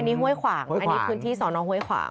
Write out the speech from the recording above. อันนี้ห้วยขวางอันนี้พื้นที่สอนองห้วยขวาง